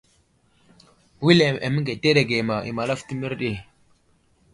Wulem aməŋgeterege ma I malafto a mərɗi.